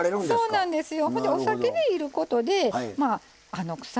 そうなんですよ。